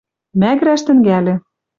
Мӓгӹрӓш тӹнгӓльӹ.